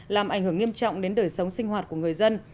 làm ảnh hưởng nghiêm trọng đến đời sống sinh hoạt của người dân